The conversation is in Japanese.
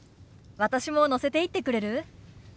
私も乗せていってくれる？